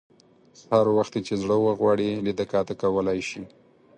هر وخت یې چې زړه وغواړي لیده کاته کولای شي.